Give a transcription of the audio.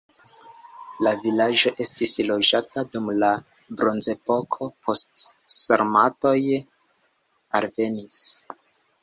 La vilaĝo estis loĝata dum la bronzepoko, poste sarmatoj alvenis.